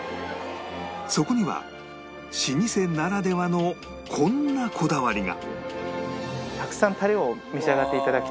そこには老舗ならではのこんなこだわりが